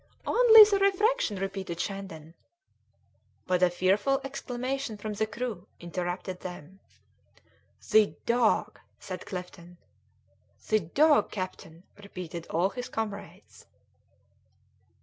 "Only the refraction!" repeated Shandon. But a fearful exclamation from the crew interrupted them. "The dog!" said Clifton. "The dog, captain!" repeated all his comrades.